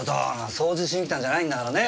掃除しに来たんじゃないんだからね。